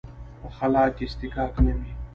په خلا کې اصطکاک نه وي.